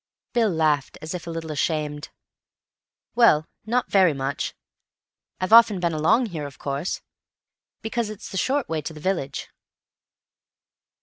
Bill laughed, as if a little ashamed. "Well, not very much. I've often been along here, of course, because it's the short way to the village."